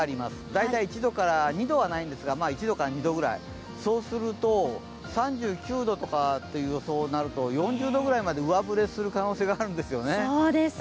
大体１度から２度はないんですが１度から２度ぐらい、そうすると３９度という予想になると４０度くらいまで上振れする可能性あるんですよね。